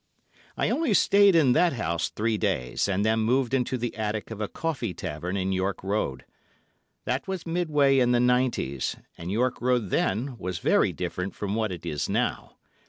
I only stayed in that house three days, and then moved into the attic of a coffee tavern in York Road. That was midway in the 'nineties, and York Road then was very different from what it is now.